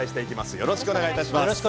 よろしくお願いします。